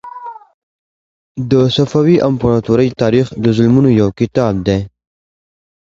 د صفوي امپراطورۍ تاریخ د ظلمونو یو کتاب دی.